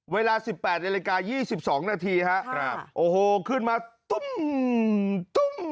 เวลา๑๘นาฬิกา๒๒นาทีครับโอ้โหขึ้นมาตุ้มตุ้ม